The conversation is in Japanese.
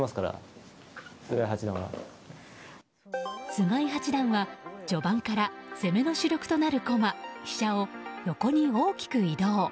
菅井八段は序盤から攻めの主力となる駒・飛車を横に大きく移動。